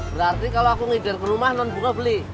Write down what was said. berarti kalo aku ngider non buruh beli